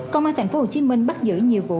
còn mà thành phố hồ chí minh bắt giữ nhiều vụ